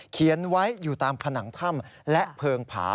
เขียนไว้อยู่ตามผนังถ้ำและเพลิงผา